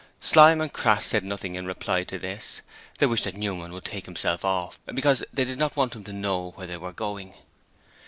Slyme and Crass said nothing in reply to this. They wished that Newman would take himself off, because they did not want him to know where they were going.